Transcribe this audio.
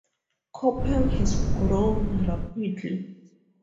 Coupang has grown rapidly.